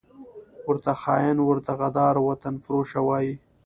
ورته خاین، ورته غدار، وطنفروشه وايي